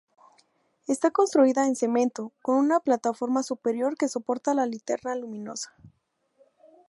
Está construida en cemento, con una plataforma superior que soporta la linterna luminosa.